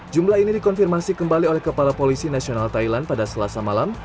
jumlah ini dikonfirmasi kembali oleh kepala polisi nasional thailand pada selasa malam